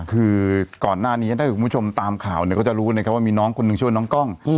คือก่อนหน้านี้ถ้าคุณผู้ชมตามข่าวเนี่ยก็จะรู้นะครับว่ามีน้องคนหนึ่งชื่อว่าน้องกล้อง